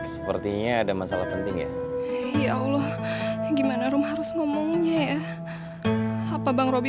sepertinya ada masalah penting ya ya allah gimana rum harus ngomongnya ya apa bang roby